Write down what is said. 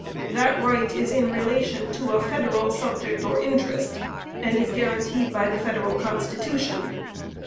That right is in relation to a Federal subject or interest, and is guaranteed by the Federal Constitution.